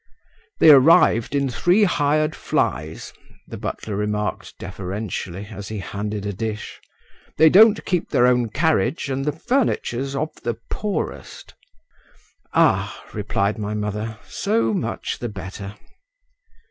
"They arrived in three hired flies," the butler remarked deferentially, as he handed a dish: "they don't keep their own carriage, and the furniture's of the poorest." "Ah," replied my mother, "so much the better."